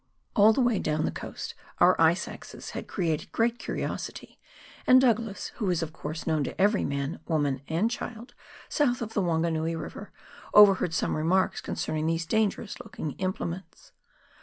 All the way down the coast our ice axes had created great curiosity, and Douglas, who is of course known to every man, woman, and child, south of the Wanganui River, overheard some remarks concerning these dangerous looking implements.